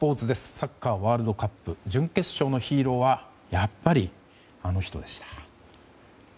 サッカーワールドカップ準決勝のヒーローはやっぱり、あの人でした。